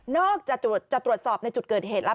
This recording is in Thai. จะตรวจสอบในจุดเกิดเหตุแล้ว